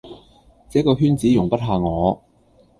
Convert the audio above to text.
這個圈子容不下我